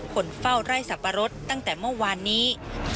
คนเฝ้าไร่สับปะรดตั้งแต่เมื่อวานนี้